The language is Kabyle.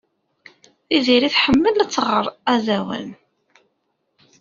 Tiziri tḥemmel ad tɣer aẓawan.